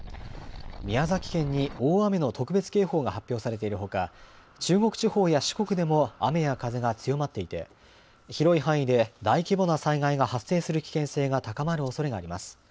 宮崎県に大雨の特別警報が発表されているほか、中国地方や四国でも雨や風が強まっていて、広い範囲で大規模な災害が発生する危険性が高まるおそれがあります。